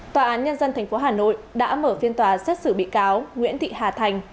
tòa án nhân dân tp hà nội đã mở phiên tòa xét xử bị cáo nguyễn thị hà thành